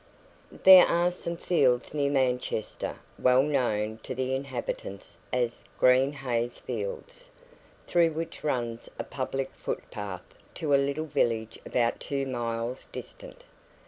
There are some fields near Manchester, well known to the inhabitants as "Green Heys Fields," through which runs a public footpath to a little village about two miles distant.